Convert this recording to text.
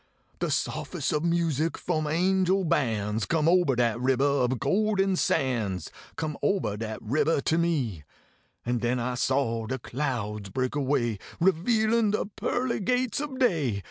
De sofes ob music Porn angel bands Come ober dat ribber ob golden sands, Come ober dat ribber to me. An den I saw de clouds break away, Revealin de pearly gates ob day.